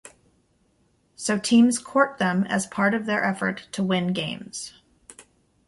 So teams court them as part of their effort to win games.